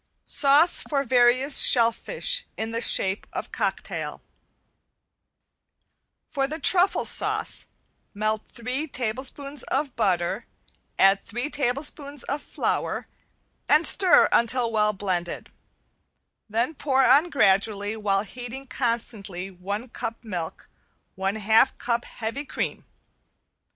~SAUCE FOR VARIOUS SHELLFISH IN THE SHAPE OF COCKTAIL~ For the truffle sauce melt three tablespoons of butter, add three tablespoons of flour, and stir until well blended, then pour on gradually while heating constantly one cup milk and one half cup heavy cream.